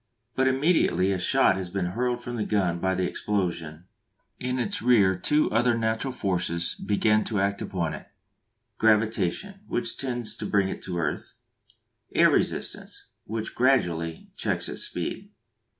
But immediately a shot has been hurled from the gun by the explosion in its rear two other natural forces begin to act upon it: Gravitation, which tends to bring it to earth. Air resistance, which gradually checks its speed.